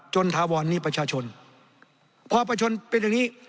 ถาวรนี่ประชาชนพอประชนเป็นอย่างนี้